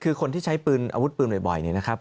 คือคนที่ใช้ปืนอาวุธปืนบ่อยเนี่ยนะครับ